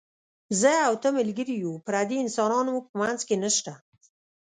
زه او ته ملګري یو، پردي انسانان مو په منځ کې نشته.